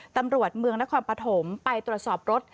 ตำรวจเมืองนครปฐมไปตรวจสอบรถ